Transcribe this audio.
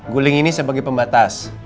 guling ini sebagai pembatas